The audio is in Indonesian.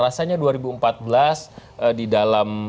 rasanya dua ribu empat belas di dalam tubuh koalisi sejarah